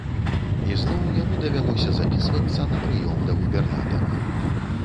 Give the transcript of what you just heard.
І зноў яму давялося запісвацца на прыём да губернатара.